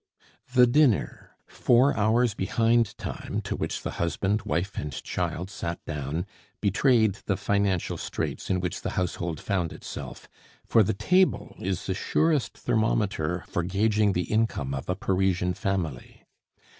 The dinner, four hours behind time, to which the husband, wife, and child sat down, betrayed the financial straits in which the household found itself, for the table is the surest thermometer for gauging the income of a Parisian family.